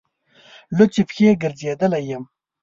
لوڅې پښې ګرځېدلی یم.